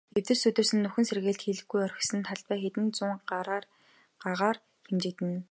Эвдэрч сүйдсэн, нөхөн сэргээлт хийлгүй орхисон талбай хэдэн зуун гагаар хэмжигдэнэ.